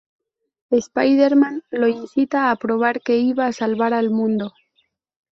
Spider-Man lo incita a probar que iba a salvar al mundo.